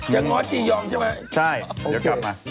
จะง้อจียองใช่ไหม